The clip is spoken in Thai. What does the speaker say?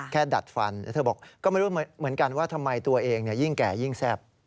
ดัดฟันแล้วเธอบอกก็ไม่รู้เหมือนกันว่าทำไมตัวเองยิ่งแก่ยิ่งแซ่บ